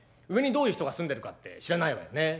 上にどういう人が住んでるかって知らないわよね。